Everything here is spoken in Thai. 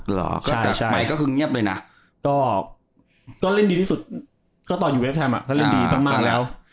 เหรอใหม่ก็คือเงียบเลยนะก็เล่นดีที่สุดก็ตอนอยู่เวสแฮมอ่ะก็เล่นดีมากแล้ว